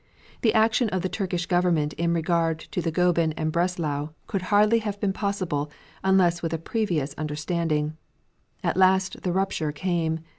The action of the Turkish Government in regard to the Goeben and Breslau could hardly have been possible unless with a previous understanding. At last the rupture came.